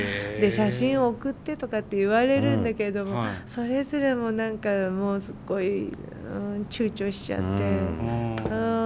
で写真送ってとかって言われるんだけどもそれすらも何かもうすごいちゅうちょしちゃって。